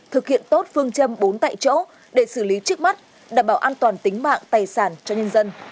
thực hiện tốt phương châm bốn tại chỗ để xử lý trước mắt đảm bảo an toàn tính mạng tài sản cho nhân dân